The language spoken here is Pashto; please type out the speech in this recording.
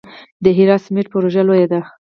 د هرات سمنټو پروژه لویه ده